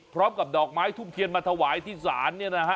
ดอกไม้ทุ่มเทียนมาถวายที่ศาลเนี่ยนะฮะ